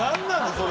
それ。